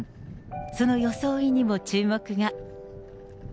その装いにも注目が。